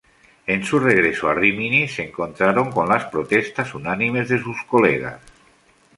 En su regreso a Rimini, se encontraron con las protestas unánimes de sus colegas.